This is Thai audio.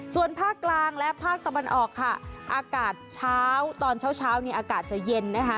ส่วนภาคกลางและภาคตะวันออกค่ะอากาศเช้าตอนเช้านี่อากาศจะเย็นนะคะ